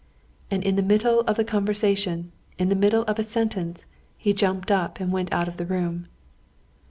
And in the middle of the conversation, in the middle of a sentence, he jumped up and went out of the room.